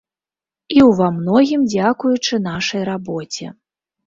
І ў ва многім дзякуючы нашай рабоце.